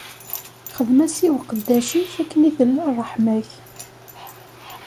Xedm-as i uqeddac-ik akken i tella ṛṛeḥma-k.